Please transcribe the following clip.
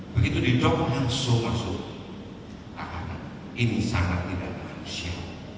begitu didokter langsung masuk ini sangat tidak manusia